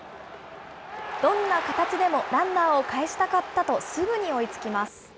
どんな形でもランナーをかえしたかったと、すぐに追いつきます。